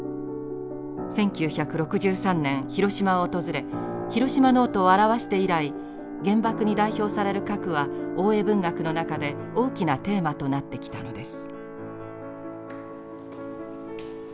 １９６３年広島を訪れ「ヒロシマ・ノート」を著して以来原爆に代表される核は大江文学の中で大きなテーマとなってきたのです。